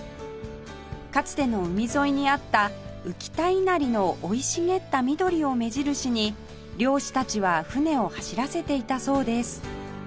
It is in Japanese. かつての海沿いにあった宇喜田稲荷の生い茂った緑を目印に漁師たちは船を走らせていたそうです